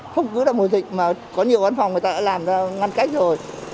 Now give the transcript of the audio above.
không cứ là mùa dịch mà có nhiều văn phòng người ta đã làm ra ngăn cách rồi